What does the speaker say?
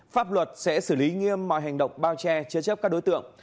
pháp luật sẽ xử lý nghiêm mọi hành động bao che chế chấp các đối tượng